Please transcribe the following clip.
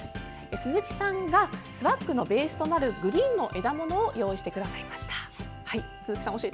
鈴木さんがスワッグのベースとなる、グリーンの枝物を用意してくださいました。